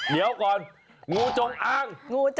เดี๋ยวก่อนงูจงอ้าง